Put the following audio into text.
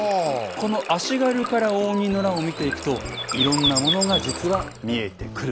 この足軽から応仁の乱を見ていくといろんなものが実は見えてくる。